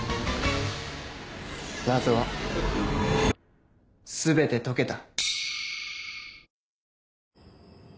謎は全て解けた。